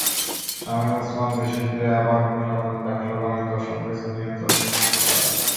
শামীম ওসমান দেশে ফিরে আবার প্রশাসন, ব্যবসা-বাণিজ্য সবকিছুর নিয়ন্ত্রণ নিতে শুরু করেন।